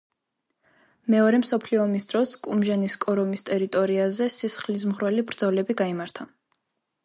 მეორე მსოფლიო ომის დროს კუმჟენის კორომის ტერიტორიაზე სისხლისმღვრელი ბრძოლები გაიმართა.